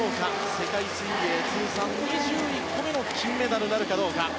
世界水泳通算２１個目の金メダルなるかどうか。